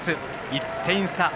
１点差。